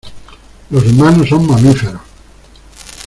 Los humanos son mamíferos.